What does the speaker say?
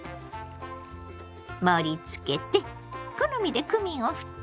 盛りつけて好みでクミンをふってね。